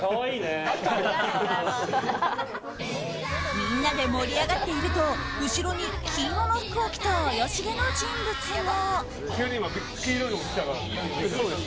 みんなで盛り上がっていると後ろに黄色の服を着た怪しげな人物が。